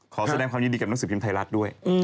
ขอแสดงความยินดีกับหนังสือพิมพ์ไทยรัฐด้วย